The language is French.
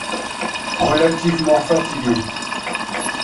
Relativement fatigué.